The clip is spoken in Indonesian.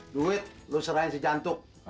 duit lu serahin si jantung